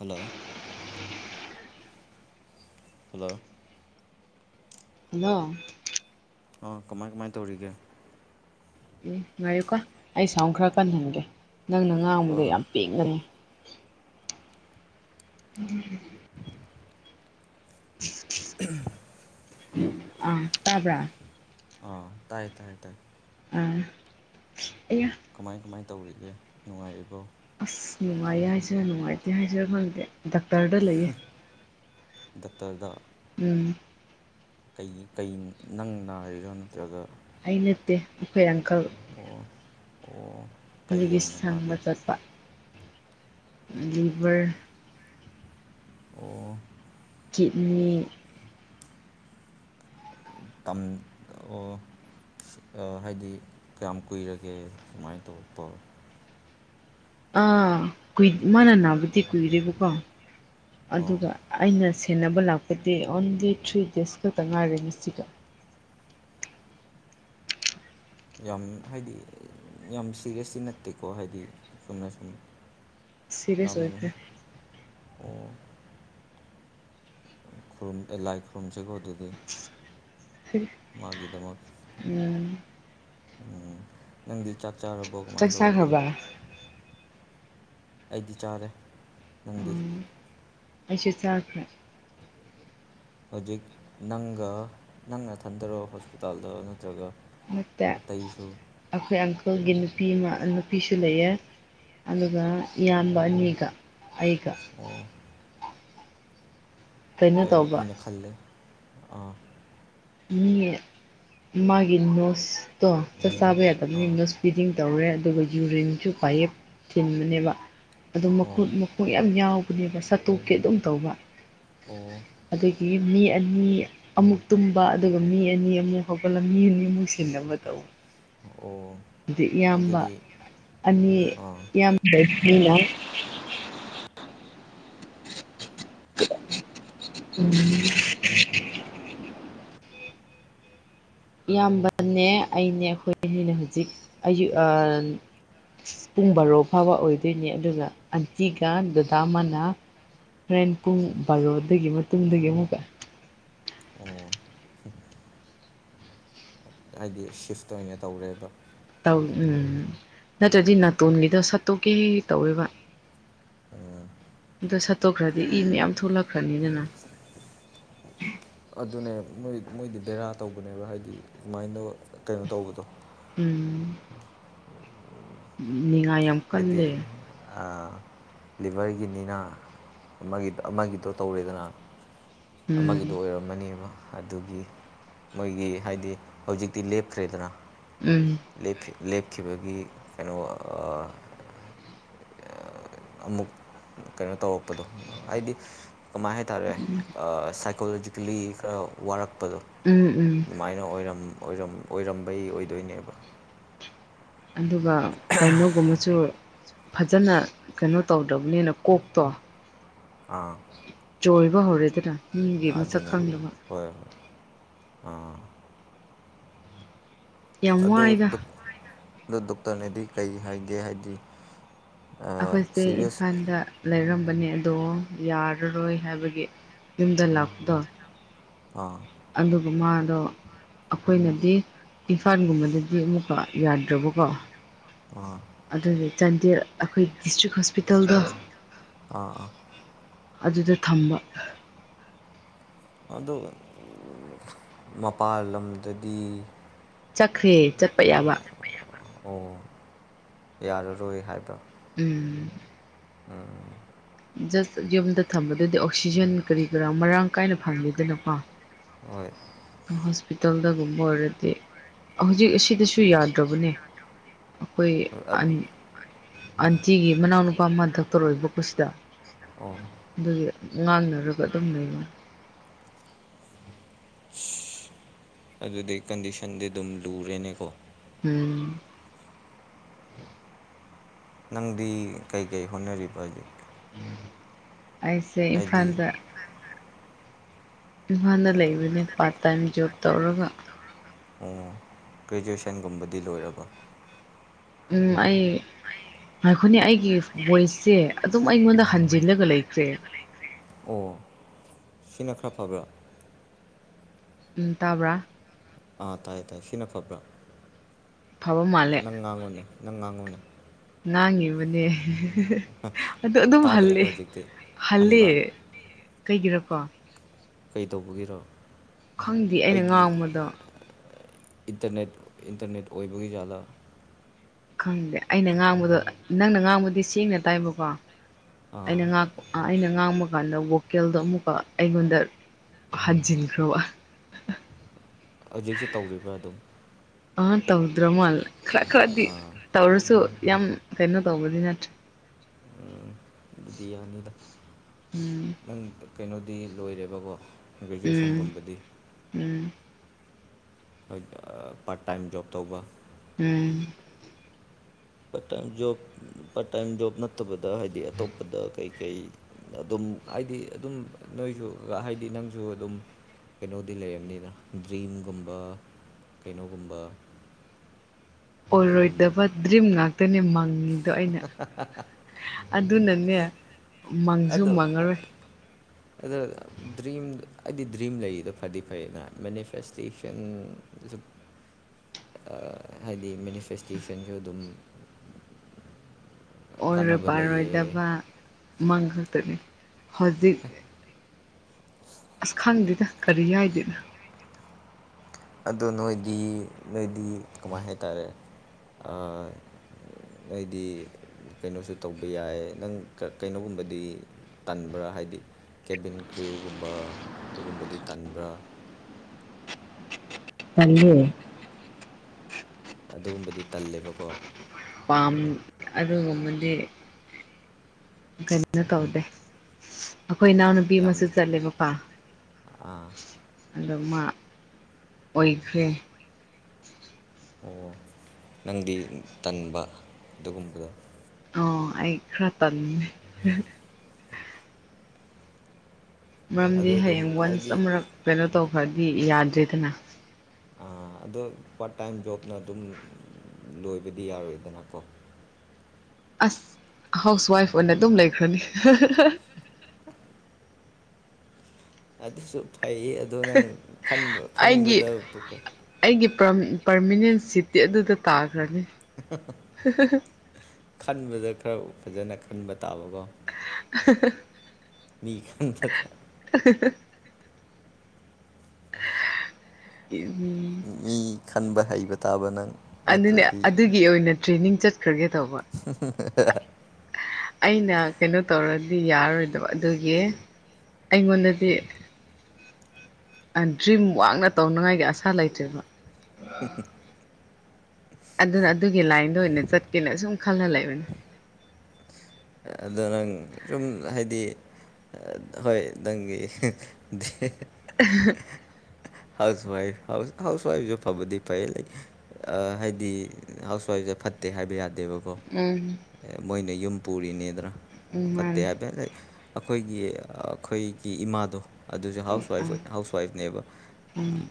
hello hello hello ꯑꯥ ꯀꯃꯥꯏ ꯀꯃꯥꯏ ꯇꯧꯔꯤꯒꯦ ꯎ ꯉꯥꯏꯌꯨꯀꯣ ꯑꯩ ꯁꯥꯎꯟ ꯈꯔ ꯀꯟꯍꯟꯒꯦ ꯅꯪꯅ ꯍꯣꯏ ꯉꯥꯡꯕꯗ ꯍꯣꯏ ꯌꯥꯝ ꯄꯦꯡꯒꯅꯤ ꯎꯝ ꯎ ꯎ ꯑ ꯇꯥꯕ꯭ꯔꯥ ꯑ ꯇꯥꯏ ꯇꯥꯏ ꯇꯥꯏ ꯑ ꯀꯃꯥꯏ ꯀꯃꯥꯏꯅ ꯇꯧꯔꯤꯒꯦ ꯅꯨꯡꯉꯥꯏꯔꯤꯕꯔꯤꯕꯣ ꯑꯁ ꯅꯨꯡꯉꯥꯏꯌꯦ ꯍꯥꯏꯁꯤꯔꯥ ꯅꯨꯡꯉꯥꯏꯇꯦ ꯍꯥꯏꯁꯤꯔꯥ ꯈꯪꯗꯦ ꯗꯥꯛꯇꯔꯗ ꯂꯩꯌꯦ ꯗꯇꯔꯗ ꯎꯝ ꯀ ꯅꯪ ꯅꯥꯔꯤꯔꯣ ꯅꯠꯇ꯭ꯔꯒ ꯑꯩꯅꯠꯇꯦ ꯎꯈꯣꯏ ꯑꯪꯀꯜ ꯑꯣ ꯑꯣ ꯀꯩ ꯂꯩꯒꯤ ꯑꯣꯏꯅ ꯁꯪ ꯃ ꯅꯥꯒꯦ ꯆꯠꯄ ꯑꯗꯨꯚꯔ ꯑꯣ ꯆꯤꯞꯅꯤ ꯇꯝ ꯍꯥꯏꯗꯤ ꯀꯌꯥꯝ ꯀꯨꯏꯔꯒꯦ ꯁꯨꯃꯥꯏꯅ ꯇꯧꯕ ꯇ ꯑꯥ ꯀꯏ ꯃꯥꯅ ꯅꯥꯕꯗꯤꯟ ꯀꯨꯏꯔꯦꯕꯀꯣ ꯑꯣ ꯑꯗꯨꯒ ꯑꯩꯅ ꯊꯦꯅꯕ ꯂꯥꯛꯄꯗꯤ ꯑꯣꯟꯂꯤ ꯊ꯭ꯔꯤ ꯗꯦꯖ ꯈꯛꯇ ꯉꯥꯏꯔꯦ ꯉꯁꯤꯒ ꯌꯥꯝ ꯍꯥꯏꯗꯤ ꯌꯥꯝ ꯁꯤꯔꯁꯁꯤ ꯅꯠꯇꯦꯀꯣ ꯍꯥꯏꯗꯤ ꯁꯨꯝꯅ ꯁꯨꯝ ꯁꯤꯔꯤꯌꯁ ꯌꯥꯝ ꯑꯣꯏꯈ꯭ꯔꯦ ꯑꯣ ꯈꯨꯨꯝ ꯂꯥꯏ ꯈꯨꯔꯨꯝꯁꯤꯦꯒ ꯑꯗꯨꯗꯤ ꯃꯥꯒꯤꯗꯃꯛ ꯎꯝ ꯎꯝ ꯅꯪꯗꯤ ꯆꯥꯛ ꯆꯥꯔꯕꯣ ꯆꯥꯛ ꯀꯃꯥꯏꯅ ꯇꯧꯔꯒꯦ ꯆꯥꯈ꯭ꯔꯕ ꯑꯩꯗꯤ ꯆꯥꯔꯦ ꯅꯪꯗꯤ ꯑꯁꯤꯁ ꯆꯥꯛ ꯍꯧꯖꯤꯛ ꯅꯪꯒ ꯅꯪꯅ ꯊꯟꯗꯔꯣ ꯍꯣꯁꯄꯤꯇꯥꯜꯗ ꯅꯠꯇ꯭ꯔꯒ ꯅꯠꯇ ꯑꯇꯩꯁꯨ ꯑꯩꯈꯣꯏ ꯑꯪꯀꯜꯒꯤ ꯅꯨꯄꯤ ꯑꯃ ꯅꯨꯄꯤꯁꯨ ꯂꯩꯌꯦ ꯑꯗꯨꯒ ꯏꯌꯥꯝꯕꯅꯤꯒ ꯑꯩꯒ ꯑꯣ ꯀꯩꯅꯣ ꯇꯧꯕ ꯑꯩꯅ ꯈꯜꯂꯦ ꯑꯥ ꯃꯤ ꯃꯥꯒꯤꯦ ꯅꯣꯁꯇ ꯆ ꯆꯥꯕ ꯑꯥ ꯌꯥꯗꯕꯅꯤꯅꯁꯄꯤꯗꯤꯡ ꯇꯧꯔꯦ ꯑꯗꯨꯒ ꯌꯨꯔꯤꯟꯁꯨ ꯈ꯭ꯋꯥꯏꯍꯦ ꯊꯤꯟꯕꯅꯦꯕ ꯑꯗꯨ ꯑꯣ ꯃꯈꯨꯠ ꯃꯈꯣꯡ ꯌꯥꯝ ꯌꯥꯎꯕꯅꯦꯕ ꯆꯥꯠꯇꯣꯛꯀꯤ ꯑꯗꯨꯝ ꯇꯧꯕ ꯑꯣ ꯑꯗꯒꯤ ꯃꯤ ꯑꯅꯤ ꯑꯃꯨꯛꯇꯨꯝ ꯑꯗꯨꯒ ꯃꯤ ꯑꯅꯤ ꯑꯃ ꯍꯧꯒꯠꯂꯝꯃꯤ ꯑꯅꯤꯃꯨꯛ ꯁꯤꯟꯅꯕ ꯇꯧꯋ ꯑꯣ ꯑꯗꯨꯗꯤ ꯏꯌꯥꯝꯕ ꯑꯗꯨꯗꯤ ꯑꯅꯤ ꯑꯥ ꯏꯌꯥꯝꯟ ꯍꯂ [unintelligible] ꯏꯌꯥꯝꯕꯅꯦ ꯑꯩꯅꯦ ꯑꯩꯈꯣꯏꯅꯤꯅꯦ ꯍꯧꯖꯤꯛ ꯑꯌꯨ ꯄꯨꯡ ꯕꯔꯣ ꯐꯕ ꯑꯣꯏꯗꯣꯏꯅꯦ ꯑꯗꯨꯒ ꯑꯟꯇꯤꯒ ꯗꯗꯥ ꯑꯃꯅ ꯍꯣꯔꯦꯟ ꯄꯨꯡ ꯕꯥꯔꯣꯗꯒꯤ ꯃꯇꯨꯡꯗꯒꯤ ꯑꯃꯨꯛꯀ ꯑꯣ ꯍꯥꯏꯗꯤ ꯁꯤꯐ ꯑꯣꯏꯅ ꯇꯧꯔꯦꯕ ꯇꯧ ꯎꯝ ꯅꯠꯇ꯭ꯔꯗꯤ ꯎꯝ ꯅꯥꯇꯣꯟꯒꯤꯗ ꯁꯠꯇꯣꯛꯀꯦ ꯇꯧꯋꯦꯕ ꯎꯝ ꯑꯗ ꯁꯠꯇꯣꯛꯈ꯭ꯔꯗꯤ ꯏ ꯃꯌꯥꯝ ꯊꯣꯛꯂꯛꯈ꯭ꯔꯅꯤꯗꯅ ꯑꯗꯨꯅꯦ ꯃꯣꯏ ꯃꯣꯏꯗꯤ ꯕꯦꯔꯥ ꯇꯧꯕꯅꯦꯕ ꯍꯥꯏꯗꯤ ꯁꯨꯃꯥꯏꯅ ꯇ ꯀꯩꯅꯣ ꯇꯧꯕꯗꯣ ꯎꯝ ꯅꯤꯡꯅꯤꯉꯥꯏ ꯌꯥꯝ ꯍꯥꯏꯗꯤ ꯀꯜꯂꯦ ꯂꯤꯚꯔꯒꯤꯅꯤꯅ ꯑꯃꯒꯤ ꯑꯃꯒꯤꯗꯣ ꯇꯧꯔꯦꯗꯅ ꯎꯝ ꯑꯃꯒꯤꯗꯨꯣ ꯑꯣꯏꯔꯝꯃꯅꯦꯕ ꯑꯗꯨꯒꯤ ꯃꯣꯏꯒꯤ ꯍꯥꯏꯗꯤ ꯍꯧꯖꯤꯛꯇꯤ ꯂꯦꯞꯈ꯭ꯔꯦꯗꯅ ꯎꯝ ꯂꯦꯞꯈꯤꯕꯒꯤ ꯀꯩꯅꯣ ꯑꯃꯨꯛ ꯀꯩꯅꯣ ꯇꯧꯔꯛꯄꯗꯣ ꯍꯥꯏꯗꯤ ꯀꯃꯥꯏ ꯍꯥꯏꯇꯥꯔꯦ ꯁꯥꯏꯀꯣꯂꯣꯖꯤꯀꯦꯜꯂꯤ ꯈꯔ ꯋꯥꯔꯛꯄꯗꯣ ꯎꯝ ꯎꯝ ꯑꯗꯨꯃꯥꯏꯅ ꯑꯣꯏꯔꯝ ꯑꯣꯏꯔꯝꯕꯩ ꯑꯣꯏꯗꯣꯏꯅꯦꯕ ꯑꯗꯨꯒ ꯀꯩꯅꯣꯒꯨꯝꯕꯁꯨ ꯐꯖꯅ ꯀꯩꯅꯣ ꯇꯧꯗꯕꯅꯤꯅ ꯀꯣꯛꯇꯣ ꯑꯥ ꯆꯣꯏꯕ ꯍꯧꯔꯦꯗꯅ ꯃꯤꯒꯤ ꯃꯁꯛ ꯑꯗꯨꯅꯦ ꯈꯪꯗꯕ ꯍꯣꯏ ꯍꯣꯏ ꯑꯥ ꯌꯥꯝ ꯋꯥꯏꯗ ꯑꯣ ꯗꯣꯛꯇꯔꯅꯗꯤ ꯀꯩ ꯍꯥꯏꯒꯦ ꯍꯥꯏꯗꯤ ꯑꯩꯈꯣꯏꯁꯦ ꯁꯤꯔꯤꯌꯁ ꯏꯝꯐꯥꯜꯗ ꯂꯩꯔꯝ ꯕꯅꯦ ꯑꯗꯣ ꯌꯥꯔꯔꯣꯏ ꯍꯥꯏꯕꯒꯤ ꯌꯨꯝꯗ ꯂꯥꯛꯄꯗꯣ ꯑꯥ ꯑꯗꯨꯒ ꯃꯥꯗꯣ ꯑꯩꯈꯣꯏꯅꯗꯤ ꯏꯝꯐꯥꯜꯒꯨꯝꯕꯗꯗꯤ ꯑꯃꯨꯛꯀ ꯌꯥꯗ꯭ꯔꯕꯀꯣ ꯑꯥ ꯑꯗꯨꯗꯤ ꯆꯥꯟꯗꯦꯜ ꯑꯩꯈꯣꯏ ꯗꯤꯁꯇ꯭ꯔꯤꯛ ꯍꯣꯁꯄꯤꯇꯥꯜꯗ ꯑꯥ ꯑꯥ ꯑꯗꯨꯗ ꯊꯝꯕ ꯃꯄꯥꯜ ꯂꯝꯗꯗꯤ ꯆꯠꯈ꯭ꯔꯦ ꯆꯠꯄ ꯌꯥꯕ ꯑꯣ ꯌꯥꯔꯔꯣꯏ ꯍꯥꯏꯕ ꯎꯝ ꯎꯝ ꯖꯁ ꯌꯨꯝꯗ ꯊꯝꯕꯗꯗꯤ ꯑꯣꯛꯁꯤꯖꯦꯟ ꯀꯔꯤ ꯀꯔꯥ ꯃꯔꯥꯡ ꯀꯥꯏꯅ ꯐꯪꯉꯦꯗꯅꯀꯣ [unintelligible] ꯍꯣꯁꯄꯤꯇꯥꯜꯗꯒꯨꯝꯕ ꯑꯣꯏꯔꯗꯤ ꯍꯧꯖꯤꯛ ꯑꯁꯤꯗꯁꯨ ꯌꯥꯗ꯭ꯔꯕꯅꯦ ꯑꯩꯈꯣꯏ ꯑꯗꯨ ꯑꯟꯇꯤꯒꯤ ꯃꯅꯥꯎꯅꯨꯄꯥ ꯑꯃ ꯗꯛꯇꯔ ꯑꯣꯏꯕꯀꯣꯁꯤꯗ ꯑꯣ ꯑꯗꯨꯒꯤ ꯉꯥꯡꯅꯔꯒ ꯑꯗꯨꯝ ꯂꯩꯕꯅꯤ [unintelligible] ꯑꯗꯨꯗꯤ ꯀꯟꯗꯤꯁꯟꯗꯤ ꯑꯗꯨꯝ ꯂꯨꯔꯦꯅꯦꯀꯣ ꯎꯝ ꯅꯪꯗꯤ ꯀꯩ ꯀꯩ ꯍꯣꯠꯅꯔꯤꯕ ꯍꯧꯖꯤꯛ ꯑꯩꯁꯦ ꯍꯥꯏꯗꯤ ꯏꯝꯐꯥꯜꯗ ꯏꯝꯐꯥꯜꯗ ꯂꯩꯕꯅꯦ ꯄꯥꯔꯠ ꯇꯥꯏꯝ ꯖꯣꯕ ꯇꯧꯔꯒ ꯑꯣ ꯒ꯭ꯔꯦꯖꯨꯋꯦꯁꯟꯒꯨꯝꯕꯗꯤ ꯂꯣꯏꯔꯕ ꯎꯝ ꯑꯩ ꯑꯩꯈꯣꯏꯅꯦ ꯑꯩꯒꯤ ꯚꯣꯏꯁꯁꯦ ꯑꯗꯨꯝ ꯑꯩꯉꯣꯟꯗ ꯍꯟꯖꯤꯜꯂꯒ ꯂꯩꯈ꯭ꯔꯦ ꯑꯣ ꯁꯤꯅ ꯈꯔ ꯐꯕ꯭ꯔꯥ ꯎꯝ ꯇꯥꯕ꯭ꯔꯥ ꯑꯥ ꯇꯥꯏꯌꯦ ꯇꯥꯏ ꯁꯤꯅ ꯐꯕ꯭ꯔꯥ ꯐꯕ ꯃꯥꯜꯂꯦ ꯅꯪ ꯉꯥꯡꯉꯨꯅꯦ ꯅꯪꯉꯥꯡꯉꯨꯅꯦ ꯉꯥꯡꯉꯤꯕꯅꯦ ꯑꯗꯣ ꯑꯗꯨꯝ ꯍꯜꯂꯦ ꯇꯥꯗ꯭ꯔꯦꯀꯣ ꯍꯧꯖꯤꯛꯇꯤ ꯍꯜꯂꯦ ꯍꯟꯕ꯭ꯔꯥ ꯀꯩꯒꯤꯔꯀꯣ ꯀꯩ ꯇꯧꯕꯒꯤꯔꯣ ꯈꯪꯗꯦ ꯑꯩꯅ ꯑꯩꯒꯤ ꯉꯥꯡꯕꯗꯣ ꯏꯟꯇꯔꯅꯦꯠ ꯏꯟꯇꯔꯅꯦꯠ ꯑꯣꯏꯕꯒꯤ ꯖꯠꯂꯥ ꯈꯪꯗꯦ ꯑꯩꯅ ꯉꯥꯡꯕꯗꯣ ꯅꯪꯅ ꯉꯥꯡꯕꯗꯤ ꯁꯦꯡꯅ ꯇꯥꯏꯕꯀꯣ ꯑꯥ ꯑꯩꯅ ꯉꯄ ꯑꯩꯅ ꯉꯥꯡꯕ ꯀꯥꯟꯗ ꯚꯣꯀꯦꯜꯗꯣ ꯑꯃꯨꯛꯀ ꯑꯩꯉꯣꯟꯗ ꯍꯟꯖꯤꯟꯈ꯭ꯔꯣ ꯍꯧꯖꯤꯛꯁꯤ ꯇꯧꯔꯤꯕ꯭ꯔꯥ ꯑꯗꯨꯝ ꯑ ꯇꯧꯗ꯭ꯔꯣꯃꯜꯂ ꯈ꯭ꯔ ꯈ꯭ꯔꯗꯤ ꯑꯥ ꯇꯧꯔꯁꯨ ꯌꯥꯝ ꯀꯩꯅꯣ ꯇꯧꯕꯗꯤ ꯅꯠꯇ꯭ꯔꯦ ꯎꯝ ꯑꯗꯨꯗꯤ ꯌꯥꯅꯤꯗ ꯎꯝ ꯅꯪ ꯀꯩꯅꯣꯗꯤ ꯂꯣꯏꯔꯦꯕꯀꯣ ꯎꯝ ꯒ꯭ꯔꯦꯖꯨꯑꯦꯁꯟꯒꯨꯝꯕꯗꯤ ꯎꯝ ꯄꯔꯠ ꯇꯥꯏꯝ ꯖꯣꯕ ꯇꯧꯕ ꯎꯝ part time job part time job ꯅꯠꯇꯕꯗ ꯍꯥꯏꯗꯤ ꯑꯇꯣꯞꯄꯗ ꯀꯩꯀꯩ ꯑꯗꯨꯝ ꯍꯥꯏꯗꯤ ꯑꯗꯨꯝ ꯅꯣꯏꯁꯨ ꯍꯥꯏꯗꯤ ꯅꯪꯁꯨ ꯑꯗꯨꯝ ꯀꯩꯅꯣꯗꯤ ꯂꯩꯔꯝꯅꯤꯅ ꯗ꯭ꯔꯤꯝꯒꯨꯝꯕ ꯀꯩꯅꯣꯒꯨꯝꯕ ꯑꯗꯨꯒꯨꯝꯕꯗꯣ ꯑꯣꯏꯔꯣꯏꯗꯕ ꯗ꯭ꯔꯤꯝ ꯉꯥꯛꯇꯅꯦ ꯃꯪꯉꯤꯗꯣ ꯑꯩꯅ ꯑꯗꯨꯅꯅꯦ ꯃꯪꯁꯨ ꯃꯪꯉꯔꯣꯏ ꯑꯗꯨ ꯗ꯭ꯔꯤꯝ ꯍꯥꯏꯗꯤ ꯗ꯭ꯔꯤꯝ ꯂꯩꯗꯣ ꯐꯗꯤ ꯐꯩꯅ ꯃꯦꯅꯤꯐꯦꯁꯇꯦꯁꯟ ꯑꯗꯨ ꯍꯥꯏꯗꯤ ꯃꯦꯅꯤꯐꯦꯁꯇꯦꯁꯟꯁꯨ ꯑꯗꯨꯝ ꯑꯣꯏꯔꯣꯏ ꯀꯥꯟꯅꯕ ꯂꯩꯌꯦ ꯄꯔꯣꯏꯗꯕ ꯃꯪꯈꯛꯇꯅꯤ ꯍꯧꯖꯤꯛ ꯑꯁ ꯈꯪꯗꯦꯗ ꯀꯔꯤ ꯍꯥꯏꯗꯣꯏꯅꯣ ꯑꯗꯣ ꯅꯣꯏꯗꯤ ꯅꯣꯏꯗꯤ ꯀꯃꯥꯏ ꯍꯥꯏ ꯇꯔꯦ ꯍꯥꯏꯗꯤ ꯀꯩꯅꯣꯁꯨ ꯇꯧꯕ ꯌꯥꯏ ꯅꯪ ꯀꯩꯅꯣꯒꯨꯝꯕꯗꯤ ꯇꯟꯕ꯭ꯔꯥ ꯍꯥꯏꯗꯤ ꯀꯦꯕꯤꯟ ꯀ꯭ꯔꯤꯌꯨ ꯒꯨꯝꯕ ꯑꯗꯨꯒꯨꯝꯕꯗꯤ ꯇꯟꯕ꯭ꯔꯥ ꯇꯜꯂ‌ꯦ [inaudible] ꯑꯗꯨꯒꯨꯝꯕꯗꯤ ꯇꯜꯂꯦꯕꯀꯣ ꯑꯝ ꯑꯗꯨꯒꯨꯝꯕꯗꯤ ꯀꯩꯅ‌ꯣ ꯇꯧꯗ‌ꯦ ꯑꯩꯈꯣꯏ ꯏꯅꯥꯎꯅꯨꯄꯤ ꯌꯥꯝ ꯑꯃꯁꯨ ꯆꯠꯂꯦꯕꯀꯣ ꯑꯥ ꯑꯗꯣ ꯃꯥ ꯑꯣꯏꯈ꯭ꯔꯦ ꯑꯣ ꯅꯪꯗꯤ ꯇꯟꯕ ꯑꯗꯨꯒꯨꯝꯕꯗꯣ ꯑꯣ ꯑꯩ ꯈ꯭ꯔꯇꯜꯂ‌ꯦ ꯃꯔꯝꯗꯤ ꯑꯗꯨ ꯑꯗꯨꯝ ꯍꯌꯦꯡ ꯋꯥꯟꯁ ꯍꯥꯏꯗꯤ ꯑꯃꯨꯔꯛ ꯀꯩꯅꯣ ꯇꯧꯈ꯭ꯔꯗꯤ ꯌꯥꯗ꯭ꯔꯦꯗꯅ ꯑꯗꯣ ꯄꯥꯔꯠ ꯇꯥꯏꯝ ꯖꯣꯕꯅ ꯑꯗꯨꯝ ꯂꯣꯏꯕꯗꯤ ꯌꯥꯔꯣꯏꯗꯅꯀꯣ ꯑꯁ ꯍꯥꯎꯁ ꯋꯥꯏꯐ ꯑꯣꯏꯅ ꯑꯗꯨꯝ ꯂꯩꯈ꯭ꯔꯒꯦ ꯑꯗꯨꯁꯨ ꯐꯩꯌꯦ ꯑꯗꯣ ꯅꯪ ꯈꯟꯕ ꯈꯟꯕꯗ ꯄ꯭ꯔꯝ ꯄ꯭ꯔꯃꯤꯅꯦꯟ ꯁꯤꯠꯇꯤ ꯑꯗꯨꯗ ꯇꯥꯈ꯭ꯔꯅꯤ ꯈꯟꯕꯗ ꯈꯔ ꯐꯖꯅ ꯈꯟꯕ ꯇꯥꯕꯀꯣ [unintelligible] [inaudible] ꯑꯥꯍꯥ ꯍꯥ ꯃꯤ ꯈꯪꯗꯗꯥ [unintelligible] [inaudible] ꯑꯍꯥ ꯍꯥ ꯍꯥ ꯎꯝꯝ ꯃꯤ [unintelligible] ꯈꯟꯕ ꯍꯩꯕ ꯇꯥꯕ ꯅꯪ ꯑꯗꯨꯅꯦ ꯅꯠꯇ꯭ꯔꯗꯤ ꯑꯗꯨꯒꯤ ꯑꯣꯏꯅ ꯇ꯭ꯔꯦꯟꯅꯤꯡ ꯆꯠꯈ꯭ꯔꯒꯦ ꯇꯧꯕ ꯍꯨꯍꯨ ꯍꯥꯍꯥ [unintelligible] [inaudible] ꯑꯩꯅ ꯀꯩꯅꯣ ꯇꯧꯔꯗꯤ ꯌꯥꯔꯥꯔꯣꯏꯗꯕ ꯑꯗꯨꯒꯤ ꯑꯩꯉ‍‍‌ꯣꯟꯗꯗꯤ ꯑꯥ ꯗ꯭ꯔꯤꯝ ꯋꯥꯡꯅ ꯇꯧꯅꯉꯥꯏꯒꯤ ꯑꯁꯥ ꯂꯩꯇ꯭ꯔꯦꯕ ꯍꯨꯍꯨ ꯑꯗꯨꯅ ꯑꯗꯨꯒꯤ ꯂꯥꯏꯟꯗ ꯑꯣꯏꯅ ꯆꯠꯀꯦꯅ ꯑꯁꯨꯝ ꯈꯜꯅ ꯂꯩꯕꯅꯤ ꯑꯗ ꯅꯪ ꯁꯨꯝ ꯍꯥꯏꯗꯤ ꯍꯣꯏ ꯅꯪꯒꯤ ꯑꯍꯥꯍꯥ [unintelligible] [inaudible] ꯍꯥꯎꯁ ꯋꯥꯏꯐ ꯍꯥꯎꯁ ꯍꯥꯎꯁ ꯋꯥꯏꯐꯁꯨ ꯐꯕꯗꯤ ꯐꯩꯌꯦ ꯂꯥꯏꯛ ꯑꯥ ꯍꯥꯏꯗꯤ ꯍꯥꯎꯁ ꯋꯥꯏꯐꯁꯦ ꯐꯠꯇꯦ ꯍꯥꯏꯕ ꯌꯥꯗꯦ ꯇꯦꯕꯀꯣ ꯎꯝ ꯃꯣꯏꯅ ꯌꯨꯝ ꯄꯨꯔꯤꯅꯦꯗꯅꯥ ꯎꯝ ꯐꯠꯇꯦ ꯃꯥꯅꯦ ꯍꯥꯏꯕꯥ ꯑꯥ ꯑꯩꯈꯣꯏꯒꯤ ꯑꯩꯈꯣꯏꯒꯤ ꯏꯃꯥꯗꯣ ꯑꯗꯨꯁꯨ ꯍꯥꯎꯁ ꯋꯥꯏꯐ ꯎꯝ ꯑꯣꯏ ꯍꯥꯎꯁ ꯋꯥꯏꯐꯅꯦꯕ ꯎꯝ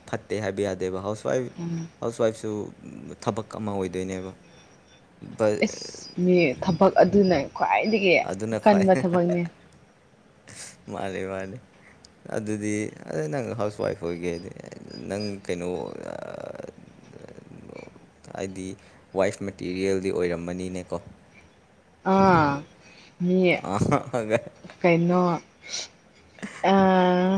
ꯍꯥꯏꯕ ꯌꯥꯗꯦꯕ ꯍꯥꯎꯁ ꯋꯥꯏꯐ ꯎꯝ ꯍꯥꯎꯁ ꯋꯥꯏꯐꯁꯨ ꯊꯕꯛ ꯑꯃ ꯑꯣꯏꯗꯣꯏꯅꯦꯕ ꯕꯠ ꯏꯁꯁ ꯃꯤ ꯊꯕꯛ ꯑꯗꯨꯅ ꯈ꯭ꯋꯥꯏꯗꯒꯤ ꯑꯗꯨꯅ ꯀꯟꯕ ꯊꯕꯛꯅꯤ ꯃꯥꯂꯦ ꯃꯥꯅꯤ ꯑꯗꯨꯗꯤ ꯑꯗ ꯅꯪ ꯍꯥꯎꯁ ꯋꯥꯏꯐ ꯑꯣꯏꯒꯦ ꯍꯥꯏꯗꯤ ꯅꯪ ꯀꯩꯅꯣ ꯑ ꯍꯥꯏꯗꯤ ꯋꯥꯏꯐ ꯃꯦꯇꯤꯔꯤꯌꯦꯜꯗꯤ ꯑꯣꯏꯔꯝꯃꯅꯤꯅꯦꯀꯣ ꯑꯥ ꯃꯤ ꯑꯣ ꯀꯩꯅꯣ ꯑꯥ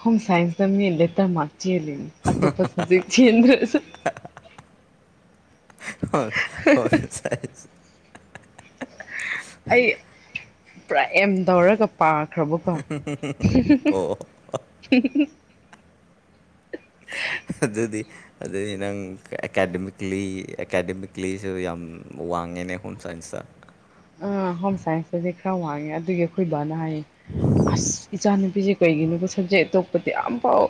ꯍꯣꯝ ꯁꯥꯏꯟꯁ ꯇ ꯃꯤ ꯂꯦꯇꯔ ꯃꯥꯔꯛ ꯆꯦꯜꯂꯤꯅꯦ ꯑꯇꯣꯞꯄ ꯁꯕꯖꯦꯛ ꯆꯦꯟꯗ꯭ꯔꯥꯁꯨ [unintelligible] ꯍꯣꯝꯁꯥꯏꯟꯁ ꯑꯩ ꯄꯨꯔꯥ ꯑꯦꯝ ꯇꯧꯔꯒ ꯄꯥꯈ꯭ꯔꯕꯀꯣ ꯎ [unintelligible] ꯑꯗꯨꯗꯤ ꯑꯗꯨꯗꯤ ꯅꯪ ꯑꯦꯀꯥꯗꯃꯤꯛꯂꯤ ꯑꯦꯀꯥꯗꯃꯤꯛꯂꯤꯁꯨ ꯌꯥꯝ ꯋꯥꯡꯉꯦ ꯑꯅꯦ ꯍꯣꯝꯆꯥꯏꯟꯁ ꯇ ꯑ ꯍꯣꯝ ꯁꯥꯏꯟꯁꯇꯗꯤ ꯈꯔ ꯋꯥꯡꯉꯦ ꯑꯗꯨꯒꯤ ꯑꯩꯈꯣꯏꯕꯕꯥꯅ ꯍꯥꯏꯌꯦ ꯑꯁ ꯏꯆꯥꯅꯨꯄꯤꯁꯦ ꯀꯩꯒꯤꯅꯣꯕ ꯁꯕꯖꯦꯛ ꯑꯇꯣꯞꯄꯗꯤ ꯌꯥꯝ ꯐꯥꯎ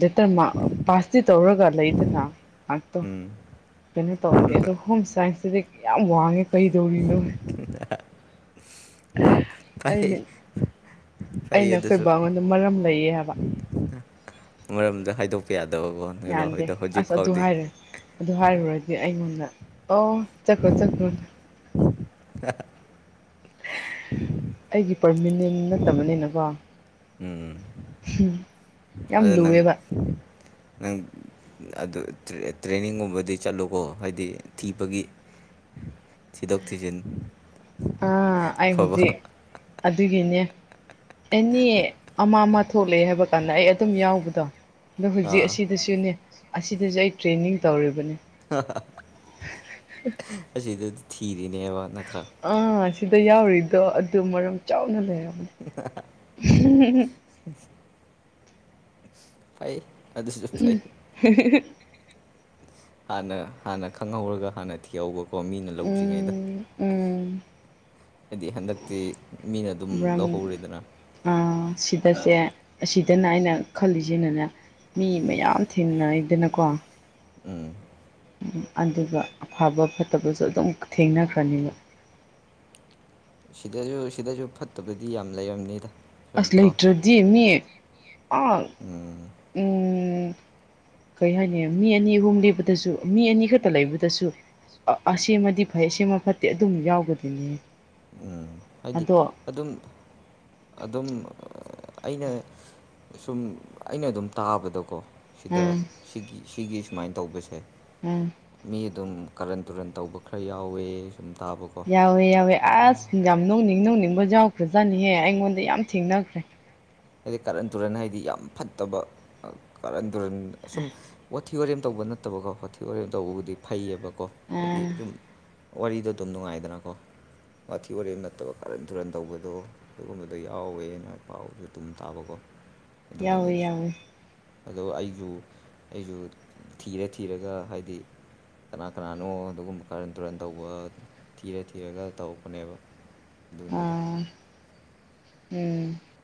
ꯂꯦꯇꯔ ꯃꯥꯛ ꯄꯥꯁꯇꯤ ꯇꯧꯔꯒ ꯂꯩꯗꯅ ꯉꯥꯛꯇꯣ ꯎꯝ ꯀꯩꯅꯣ ꯇꯧꯗꯦ ꯑꯗꯣ ꯍꯣꯝ ꯁꯥꯏꯟꯁꯇꯗꯤ ꯌꯥꯝ ꯋꯥꯡꯉꯦ ꯀꯩꯗꯧꯔꯤꯅꯣ ꯑꯩꯅ ꯐꯩ ꯐꯩ ꯑꯗꯨꯁꯨ ꯑꯩꯅꯈꯣꯏꯕ ꯑꯩꯉꯣꯟꯗ ꯃꯔꯝ ꯂꯩꯌꯦ ꯍꯥꯏꯕ ꯃꯔꯝꯗ ꯍꯥꯏꯗꯣꯛꯄ ꯌꯥꯗꯦ ꯌꯥꯗꯦ ꯑꯁ ꯑꯗꯨ ꯍꯥꯏꯔ ꯑꯗꯨ ꯍꯥꯏꯔꯨꯔꯗꯤ ꯑꯩꯉꯣꯟꯗ ꯑꯣ ꯆꯠꯈ꯭ꯔꯣ ꯆꯠꯈ꯭ꯔꯣ ꯑꯩꯒꯤ ꯄꯔꯃꯤꯅꯦꯟ ꯅꯠꯇꯕꯅꯤꯅꯀꯣ ꯎꯝ ꯌꯥꯝ ꯑꯗꯣ ꯅꯪ ꯂꯨꯋꯦꯕ ꯅꯪ ꯑꯗꯨ ꯇ꯭ꯔꯦꯅꯤꯡꯒꯨꯝꯕꯗꯤ ꯆꯠꯂꯨꯀꯣ ꯍꯥꯏꯗꯤ ꯊꯤꯕꯒꯤ ꯊꯤꯗꯣꯛ ꯊꯖꯤꯟ ꯑꯥ ꯑꯩ ꯍꯧꯖꯤꯛ ꯑꯗꯨꯒꯤꯅꯦ ꯑꯦꯅꯤ ꯑꯃ ꯑꯃ ꯊꯣꯛꯂꯛꯑꯦ ꯍꯥꯏꯕ ꯀꯥꯟꯗ ꯑꯩ ꯑꯗꯨꯝ ꯌꯥꯎꯕꯗꯣ ꯑꯗꯣ ꯍꯧꯖꯤꯛ ꯑꯥ ꯑꯁꯤꯗꯁꯨꯅꯦ ꯑꯁꯤꯗꯁꯨ ꯑꯩ ꯇ꯭ꯔꯦꯅꯤꯡ ꯇꯧꯔꯤꯕꯅꯦ ꯑ [unintelligible] ꯑꯁꯤꯗꯗꯤ ꯊꯤꯔꯤꯅꯦꯕ ꯅꯠꯇ꯭ꯔꯥ ꯗ ꯌꯥꯎꯔꯤꯗꯣ ꯑꯗꯨ ꯃꯔꯝ ꯆꯥꯎꯅ ꯂꯩꯔꯕꯅꯤ ꯐꯩ ꯑꯗꯨꯁꯨ ꯐꯩ ꯎꯝ ꯍꯥꯟꯅ ꯍꯥꯟꯅ ꯈꯪꯍꯧꯔꯒ ꯍꯥꯟꯅ ꯊꯤꯍꯧꯕꯀꯣ ꯃꯤꯅ ꯂꯧꯗ꯭ꯔꯤꯉꯩꯗ ꯎꯝ ꯎꯝ ꯍꯥꯏꯗꯤ ꯍꯟꯗꯛꯇꯤ ꯃꯤꯅ ꯑꯗꯨꯝ ꯂꯧꯍꯧꯔꯤꯗꯅ ꯗꯁꯦ ꯑꯁꯤꯗꯅ ꯑꯩꯅ ꯈꯜꯂꯤꯁꯤꯅꯅꯦ ꯃꯤ ꯃꯌꯥꯝ ꯊꯦꯡꯅꯩꯗꯅꯀꯣ ꯎꯝ ꯑꯗꯨꯒ ꯑꯐꯕ ꯐꯠꯇꯕꯁꯨ ꯑꯗꯨꯝ ꯊꯦꯡꯅꯈ꯭ꯔꯅꯤꯕ ꯁꯤꯗꯁꯨ ꯁꯤꯗꯁꯨ ꯐꯠꯇꯕꯗꯤ ꯌꯥꯝ ꯂꯩꯔꯝꯅꯤꯗ ꯁꯨꯝ ꯑꯁ ꯀꯣ ꯂꯩꯥꯇꯔꯗꯤ ꯃꯤ ꯑ ꯎꯝ ꯎꯝ ꯀꯔꯤ ꯍꯥꯏꯅꯤ ꯃꯤ ꯑꯅꯤ ꯑꯍꯨꯝ ꯂꯦꯞꯕꯗꯁꯨ ꯃꯤ ꯑꯅꯤ ꯈꯛꯇ ꯂꯩꯕꯗꯁꯨ ꯑꯁꯤ ꯑꯃꯗꯤ ꯐꯩ ꯁꯤ ꯑꯃ ꯐꯠꯇꯦ ꯑꯗꯨꯝꯃ ꯌꯥꯎꯒꯗꯣꯏꯅꯤ ꯎꯝ ꯍꯥꯏꯗꯤ ꯑꯗꯨꯝ ꯑꯗꯨꯝ ꯑꯩꯅ ꯁꯨꯝ ꯑꯩꯅ ꯑꯗꯨꯝ ꯇꯥꯕꯗꯀꯣ ꯁꯤꯗ ꯎꯝ ꯁꯤꯒꯤ ꯁꯤꯒꯤ ꯁꯨꯃꯥꯏꯅ ꯇꯧꯕꯁꯦ ꯎꯝ ꯃꯤ ꯑꯗꯨꯝ ꯀꯔꯟ ꯇꯨꯔꯟ ꯇꯧꯕ ꯈꯔ ꯌꯥꯎꯋꯦ ꯁꯨꯝ ꯇꯥꯕꯀꯣ ꯌꯥꯋꯦ ꯌꯥꯎꯋꯦ ꯑꯁ ꯌꯥ ꯅꯧꯅꯤꯡ ꯅꯧꯅꯤꯡꯕ ꯌꯥꯎꯈ꯭ꯔꯖꯥꯅꯤꯍꯦ ꯑꯩꯉꯣꯟꯗ ꯌꯥꯝ ꯊꯦꯡꯅꯈ꯭ꯔꯦ ꯍꯥꯏꯗꯤ ꯀꯥꯔꯟ ꯇꯨꯔꯟ ꯍꯥꯏꯗꯤ ꯌꯥꯝ ꯐꯠꯇꯕ ꯀꯥꯔꯟ ꯇꯨꯔꯟ ꯑꯁꯨꯝ ꯊꯤ ꯋꯥꯔꯦꯝ ꯇꯧꯕ ꯅꯠꯇꯕꯀꯣ ꯀꯣꯊꯤ ꯋꯥꯔꯦꯝ ꯇꯧꯕꯕꯨꯗꯤ ꯐꯩꯌꯦꯕꯀꯣ ꯍꯥꯏꯗꯤ ꯑꯥ ꯁꯨꯝ ꯋꯥꯔꯤꯗꯣ ꯑꯗꯨꯝ ꯅꯨꯡꯉꯥꯏꯗꯅꯀꯣ ꯃꯊꯤ ꯋꯥꯔꯦꯝ ꯅꯠꯇꯕ ꯈꯥꯔꯟ ꯊꯨꯔꯟ ꯇꯧꯕꯗꯣ ꯑꯗꯨꯒꯨꯝꯕꯗꯣ ꯌꯥꯎꯋꯦꯅ ꯄꯥꯎꯗꯨꯗ ꯇꯨꯝ ꯇꯥꯕꯀꯣ ꯌꯥꯎꯋꯏ ꯌꯥꯎꯏ ꯑꯗꯣ ꯑꯩꯁꯨ ꯑꯩꯁꯨ ꯊꯤꯔ ꯊꯤꯔꯒ ꯍꯥꯏꯗꯤ ꯀꯅꯥ ꯀꯅꯥꯅꯣ ꯑꯗꯨꯒꯨꯝꯕ ꯈꯔꯟ ꯇꯨꯔꯟ ꯇꯧꯕ ꯊꯤꯔ ꯊꯤꯔꯒ ꯇꯧꯔꯛꯄꯅꯦꯕ ꯣꯅꯤꯗ ꯑꯥ ꯎꯝ